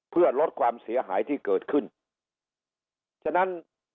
เพื่อลดความเสียหายที่เกิดขึ้นฉะนั้น